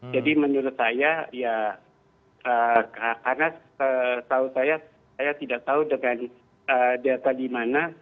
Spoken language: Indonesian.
jadi menurut saya ya karena tahu saya saya tidak tahu dengan delta di mana